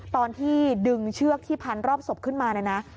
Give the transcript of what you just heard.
ตอนที่ดึงเชือกที่พันรอบศพขึ้นมาเนี่ยนะ